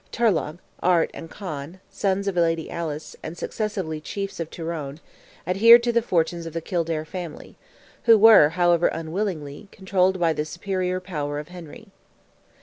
Turlogh, Art, and Con, sons of Lady Alice, and successively chiefs of Tyrone, adhered to the fortunes of the Kildare family, who were, however unwillingly, controlled by the superior power of Henry.